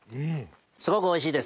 すごくおいしいです。